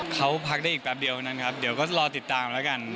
เขาพักได้อีกแป๊บเดียวนั้นครับเดี๋ยวก็รอติดตามแล้วกัน